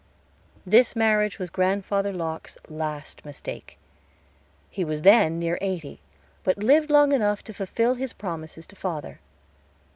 This marriage was Grandfather Locke's last mistake. He was then near eighty, but lived long enough to fulfill his promises to father.